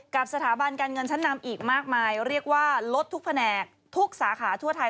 กับสถาบันการเงินชั้นนำอีกมากมายเรียกว่าลดทุกแผนกทุกสาขาทั่วไทย